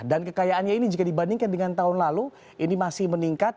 dan kekayaannya ini jika dibandingkan dengan tahun lalu ini masih meningkat